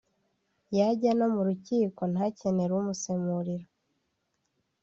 yajya no mu rukiko ntakenere umusemurira